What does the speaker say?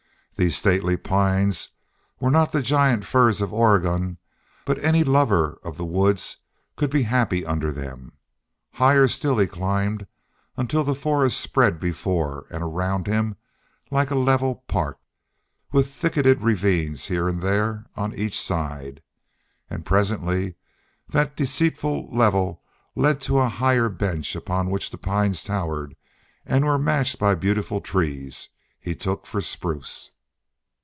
These stately pines were not the giant firs of Oregon, but any lover of the woods could be happy under them. Higher still he climbed until the forest spread before and around him like a level park, with thicketed ravines here and there on each side. And presently that deceitful level led to a higher bench upon which the pines towered, and were matched by beautiful trees he took for spruce.